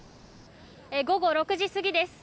午後６時過ぎです。